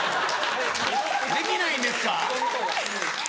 ・できないんですか・